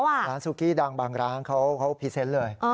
ร้านซูกี้ดังบางร้านเขาพรีเซนต์เลย